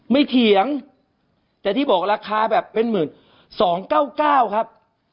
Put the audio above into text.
เถียงแต่ที่บอกราคาแบบเป็น๑๒๙๙ครับ